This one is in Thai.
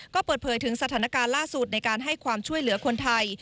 ก็เปิดเผยถึงสถานการณ์ล่าสุดในการให้ความช่วยเหลือคนไทย